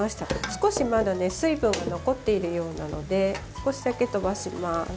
少しまだ水分が残っているようなので少しだけ飛ばします。